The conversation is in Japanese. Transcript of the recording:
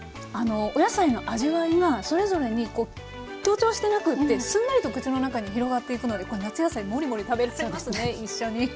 お野菜の味わいがそれぞれにこう強調してなくってすんなりと口の中に広がっていくのでこれ夏野菜モリモリ食べれちゃいますね一緒に。